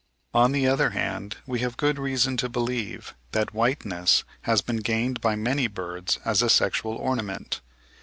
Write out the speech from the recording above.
On the other hand we have good reason to believe that whiteness has been gained by many birds as a sexual ornament.